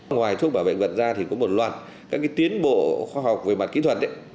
ngoài thuốc bảo vệ thực vật ra thì có một loạt các cái tiến bộ khoa học về mặt kỹ thuật